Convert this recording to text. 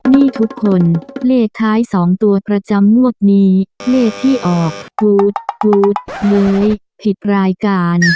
นี่ทุกคนเลขท้าย๒ตัวประจำงวดนี้เลขที่ออกกู๊ดกู๊ดเม้ยผิดรายการ